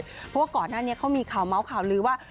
เพราะว่าก่อนหน้านี้เขามีข่าวเมาส์ข่าวลือว่า